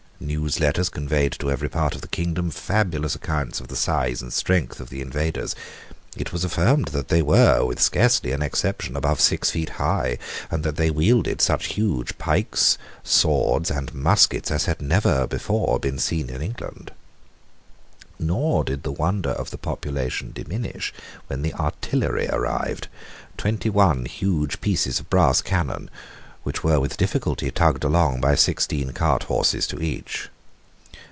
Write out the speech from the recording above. Newsletters conveyed to every part of the kingdom fabulous accounts of the size and strength of the invaders. It was affirmed that they were, with scarcely an exception, above six feet high, and that they wielded such huge pikes, swords, and muskets, as had never before been seen in England. Nor did the wonder of the population diminish when the artillery arrived, twenty one huge pieces of brass cannon, which were with difficulty tugged along by sixteen cart horses to each.